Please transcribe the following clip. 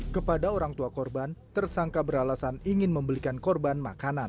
kepada orang tua korban tersangka beralasan ingin membelikan korban makanan